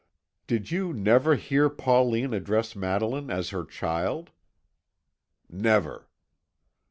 "Did you never hear Pauline address Madeline as her child?" "Never."